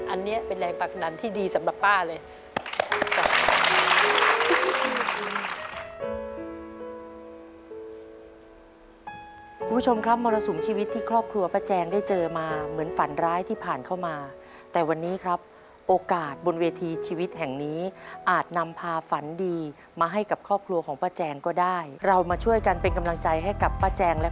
อันนี้เป็นแรงผลักดันที่ดีสำหรับป้าเลย